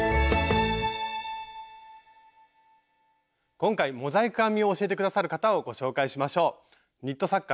今回モザイク編みを教えて下さる方をご紹介しましょう。